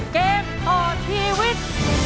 เกมต่อชีวิต